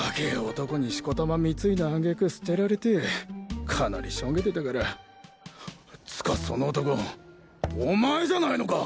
男にしこたま貢いだあげく捨てられてかなりしょげてたからつかその男お前じゃないのか！？